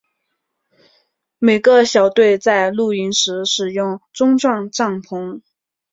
每个小队在露营时使用钟状帐篷。